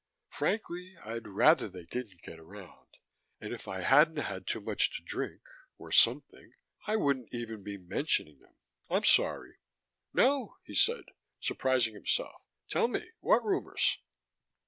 "Frankly, I'd rather they didn't get around. And if I hadn't had too much to drink or something I wouldn't even be mentioning them. I'm sorry." "No," he said, surprising himself. "Tell me. What rumors?"